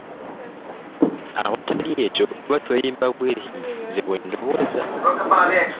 Awatali ekyo tuba twerimba bwerimbi nze bwendowooza.